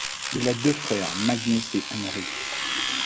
Il a deux frères, Magnus et Henrik.